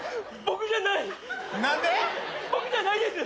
僕じゃないです。